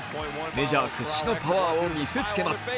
メジャー屈指のパワーを見せつけます。